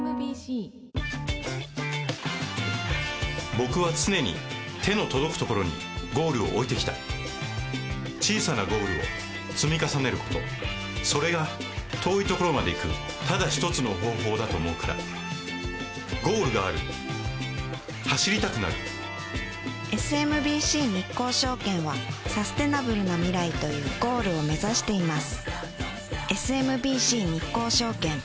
僕は常に手の届くところにゴールを置いてきた小さなゴールを積み重ねることそれが遠いところまで行くただ一つの方法だと思うからゴールがある走りたくなるＳＭＢＣ日興証券はサステナブルな未来というゴールを目指しています